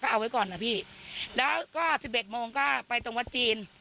เอาไว้ก่อนนะพี่แล้วก็สิบเอ็ดโมงก็ไปตรงวัดจีน